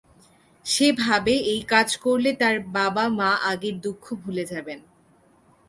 সে ভাবে, এই কাজ করলে তার বাবা-মা আগের দুঃখ ভুলে যাবেন।